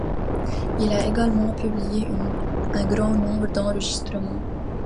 Il a également publié un grand nombre d'enregistrements.